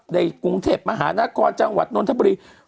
ในกรุงเทพมหานครจังหวัดนทบุรี